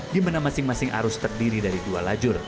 dimana masing masing arus terdiri dari dua lajur